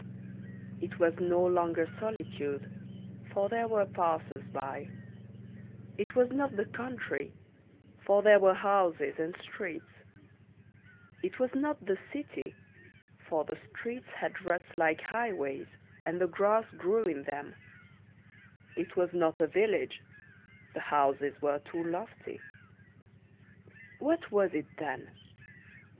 It was no longer solitude, for there were passers by; it was not the country, for there were houses and streets; it was not the city, for the streets had ruts like highways, and the grass grew in them; it was not a village, the houses were too lofty. What was it, then?